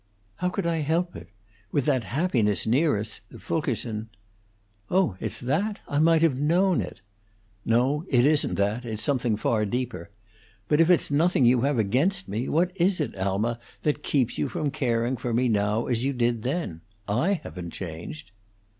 "How could I help it? With that happiness near us Fulkerson " "Oh, it's that? I might have known it!" "No, it isn't that it's something far deeper. But if it's nothing you have against me, what is it, Alma, that keeps you from caring for me now as you did then? I haven't changed."